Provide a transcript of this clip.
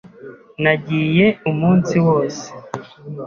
Nagiye umunsi wose.